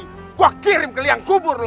makin tua makin jadi gw kirim ke liang kubur lo